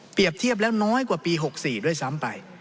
เปรียบเทียบแล้วน้อยกว่าปี๑๙๖๔ด้วยซ้ำไป